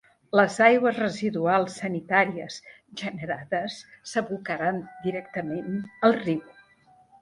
Les aigües residuals sanitàries generades s'abocaran directament al riu.